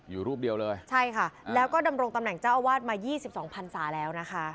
อยู่รูปเดียวเลยใช่ค่ะแล้วก็ดำรงตำแหน่งเจ้าอาวาสมา๒๒พันศาแล้วนะคะ